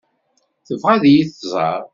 Tebɣa ad yi-tẓeṛ.